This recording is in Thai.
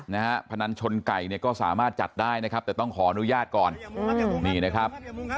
พนันชนไก่เนี่ยก็สามารถจัดได้นะครับแต่ต้องขออนุญาตก่อนนี่นะครับ